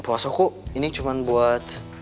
puasa ku ini cuman buat